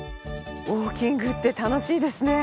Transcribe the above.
ウォーキングって楽しいですね。